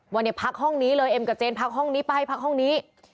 ว่าเนี่ยพักห้องนี้เลยเอ็มกับเจนพักห้องนี้ไปพักห้องนี้